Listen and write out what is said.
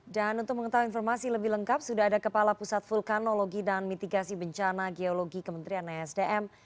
dan untuk mengetahui informasi lebih lengkap sudah ada kepala pusat vulkanologi dan mitigasi bencana geologi kementerian sdm